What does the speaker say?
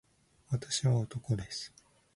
私は男です